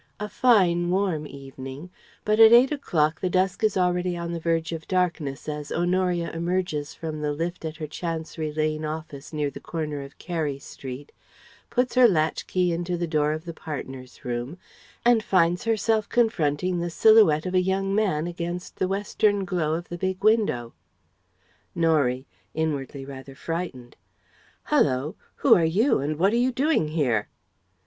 A fine warm evening, but at eight o'clock the dusk is already on the verge of darkness as Honoria emerges from the lift at her Chancery Lane Office (near the corner of Carey Street), puts her latch key into the door of the partners' room, and finds herself confronting the silhouette of a young man against the western glow of the big window. Norie (inwardly rather frightened): "Hullo! Who are you and what are you doing here?"